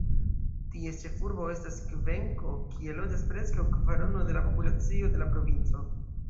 Ties ĉefurbo estas Kvenko, kie loĝas preskaŭ kvarono de la populacio de la provinco.